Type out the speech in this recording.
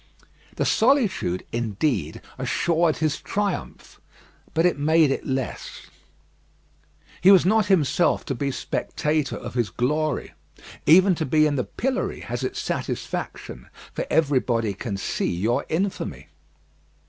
The solitude, indeed, assured his triumph; but it made it less. He was not himself to be spectator of his glory. Even to be in the pillory has its satisfaction, for everybody can see your infamy.